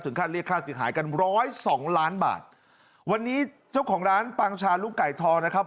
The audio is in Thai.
ค่าเรียกค่าเสียหายกันร้อยสองล้านบาทวันนี้เจ้าของร้านปังชาลูกไก่ทองนะครับ